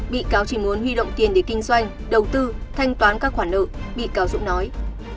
bị cáo chỉ muốn huy động tiền để kinh doanh đầu tư thanh toán các khoản nợ bị cáo dũng nói